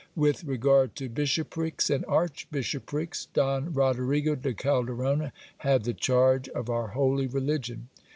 With re gard to bishoprics and archbishoprics, Don Rodrigo de Calderona had the charge of our holy religion.